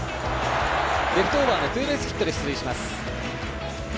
レフトオーバーのツーベースヒットで出塁します。